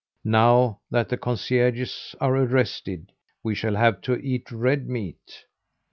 'Now,' that the concierges are arrested, 'we shall have to eat red meat.